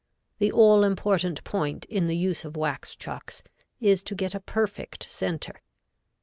The all important point in the use of wax chucks is to get a perfect center.